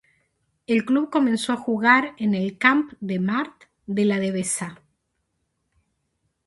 El club comenzó a jugar en el Camp de Mart de la Devesa.